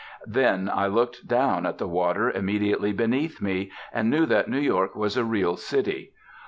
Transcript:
Then I looked down at the water immediately beneath me, and knew that New York was a real city.